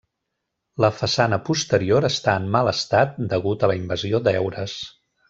La façana posterior està en mal estat degut a la invasió d'heures.